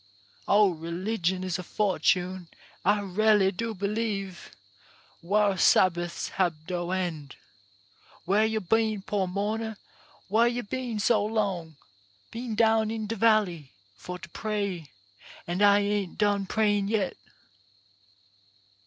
Oh, religion is a fortune, I r'a'ly do believe, Whar Sabbaths hab no end. Whar yo' been, poor mourner, whar yo' been so long? " Been down in de valley, for to pray; An' I ain't done prayin' yet."